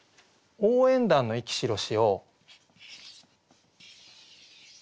「応援団の息白し」。